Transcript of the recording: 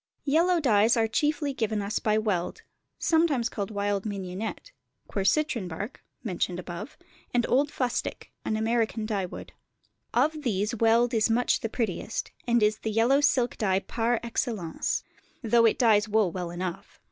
Yellow dyes are chiefly given us by weld (sometimes called wild mignonette), quercitron bark (above mentioned), and old fustic, an American dye wood. Of these weld is much the prettiest, and is the yellow silk dye par excellence, though it dyes wool well enough.